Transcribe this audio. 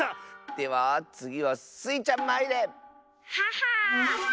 ではつぎはスイちゃんまいれ！ははっ。